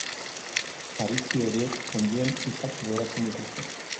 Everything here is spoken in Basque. Harizpi horiek onddoen hifak gogoratzen dituzte maiz.